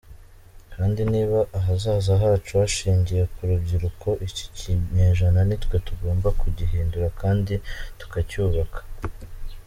Kandi niba ahazaza hacu hashingiye ku rubyiruko, iki kinyejana nitwe tugomba kugihindura kandi tukacyubaka.